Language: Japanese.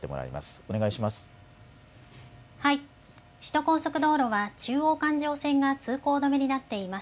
お願いします。